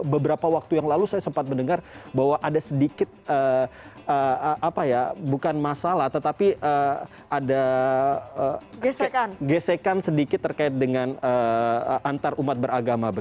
beberapa waktu yang lalu saya sempat mendengar bahwa ada sedikit bukan masalah tetapi ada gesekan sedikit terkait dengan antarumat beragama